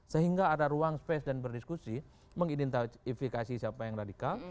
sehingga ada ruang space dan berdiskusi mengidentifikasi siapa yang radikal